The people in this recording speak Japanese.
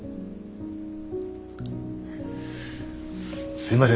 すいません。